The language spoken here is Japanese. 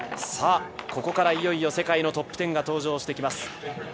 ここからいよいよ世界のトップ１０が登場してきます。